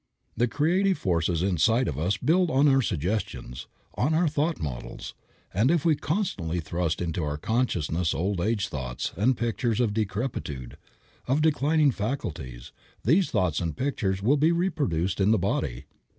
The creative forces inside of us build on our suggestions, on our thought models, and if we constantly thrust into our consciousness old age thoughts and pictures of decrepitude, of declining faculties, these thoughts and pictures will be reproduced in the body.